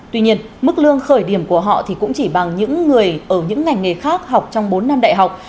tuy nhiên mức lương khởi điểm của họ thì cũng chỉ bằng những người ở những ngành nghề khác học trong bốn năm đại học